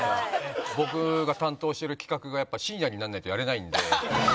僕が担当してる企画がやっぱ深夜にならないとやれないんで。